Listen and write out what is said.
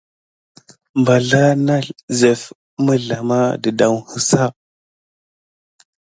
Bardaz na zef mizlama de dasmin.